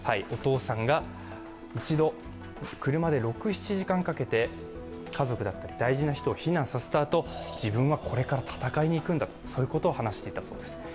お父さんが一度、車で６７時間かけて家族だったり、大事な人を避難させたあと、自分はこれから戦いに行くんだと話していたそうです。